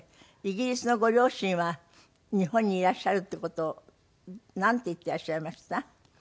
イギリスのご両親は日本にいらっしゃるっていう事をなんて言っていらっしゃいました？